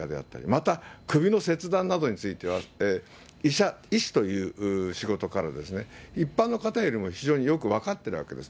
また、首の切断などについては、医者、医師という仕事からですね、一般の方よりも非常によく分かっているわけです。